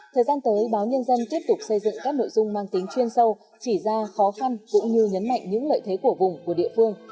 thời gian tới báo nhân dân tiếp tục xây dựng các nội dung mang tính chuyên sâu chỉ ra khó khăn cũng như nhấn mạnh những lợi thế của vùng của địa phương